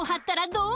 どう？